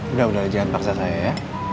udah udah ujian paksa saya ya